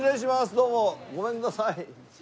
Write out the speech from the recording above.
どうもごめんください。